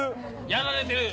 やられてる。